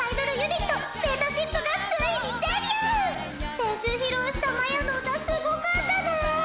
先週披露したまやの歌すごかったな！